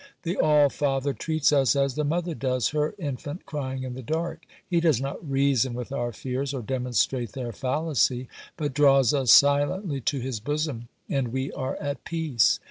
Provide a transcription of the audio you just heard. The All Father treats us as the mother does her 'infant crying in the dark;' He does not reason with our fears, or demonstrate their fallacy, but draws us silently to His bosom, and we are at peace.